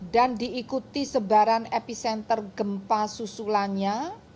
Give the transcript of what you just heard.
dan diikuti sebaran epicenter gempa susulannya